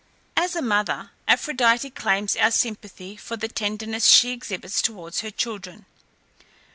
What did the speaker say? As a mother Aphrodite claims our sympathy for the tenderness she exhibits towards her children.